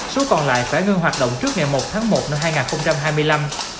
số còn lại phải ngưng hoạt động trước ngày một tháng một năm hai nghìn hai mươi năm